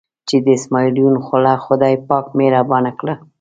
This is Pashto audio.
چې د اسمعیل یون خوله خدای پاک مهربانه کړه.